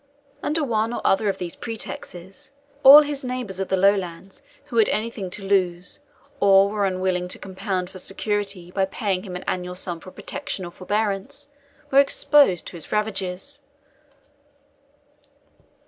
Under one or other of these pretexts, all his neighbours of the Lowlands who had anything to lose, or were unwilling to compound for security by paying him an annual sum for protection or forbearance, were exposed to his ravages.